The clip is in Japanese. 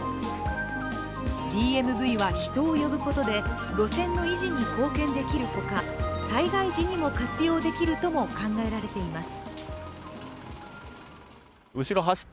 ＤＭＶは人を呼ぶことで、路線の維持に貢献できるほか、災害時にも活用できるとも考えられています。